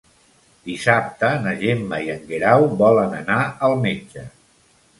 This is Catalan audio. Dissabte na Gemma i en Guerau volen anar al metge.